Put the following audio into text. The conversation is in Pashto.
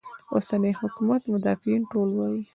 اوسني حکومت مدافعین ټول وایي.